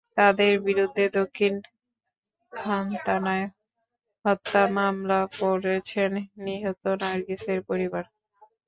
তাঁদের বিরুদ্ধে দক্ষিণ খান থানায় হত্যা মামলা করেছেন নিহত নার্গিসের পরিবার।